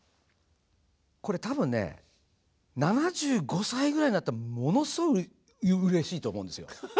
これ多分ね７５歳ぐらいになったらものすごくうれしいと思うんですよ。